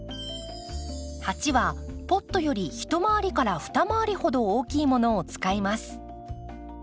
鉢はポットより１まわり２まわりほど大きいものを使います。